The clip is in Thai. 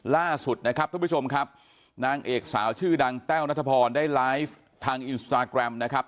ล่าสุดนะครับทุกผู้ชมครับนางเอกสาวชื่อดังแต้วนัทพรได้ไลฟ์ทางอินสตาแกรมนะครับ